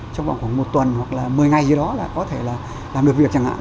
trong vòng khoảng một tuần hoặc là một mươi ngày gì đó là có thể là làm được việc chẳng hạn